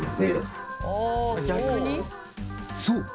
そう。